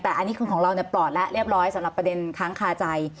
แต่อันนี้คือของเราปลอดแล้วเรียบร้อยสำหรับประเด็นค้างคาใจ